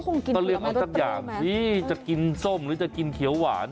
ก็เลือกเอาสักอย่างนี่จะกินส้มหรือจะกินเขียวหวาน